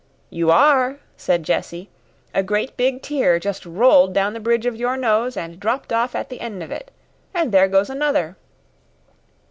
"You are," said Jessie. "A great big tear just rolled down the bridge of your nose and dropped off at the end of it. And there goes another."